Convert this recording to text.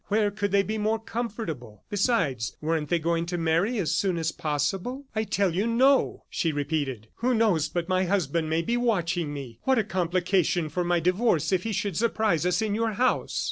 Where could they be more comfortable? Besides, weren't they going to marry as soon as possible? ... "I tell you no," she repeated. "Who knows but my husband may be watching me! What a complication for my divorce if he should surprise us in your house!"